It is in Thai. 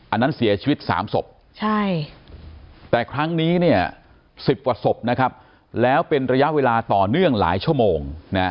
อันนั้นเสียชีวิต๓ศพแต่ครั้งนี้๑๐กว่าศพนะครับแล้วเป็นระยะเวลาต่อเนื่องหลายชั่วโมง